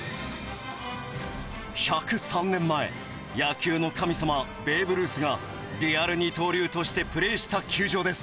１０３年前野球の神様「ベーブ・ルース」がリアル二刀流としてプレーした球場です。